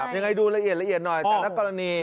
ยังไงดูละเอียดละเอียดหน่อยแต่ละกรณี